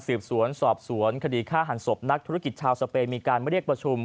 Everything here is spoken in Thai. สืบสวนสอบสวนคดีฆ่าหันศพนักธุรกิจชาวสเปนมีการเรียกประชุม